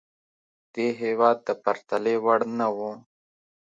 دې هېواد د پرتلې وړ نه وه.